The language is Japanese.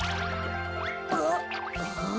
あっあっ！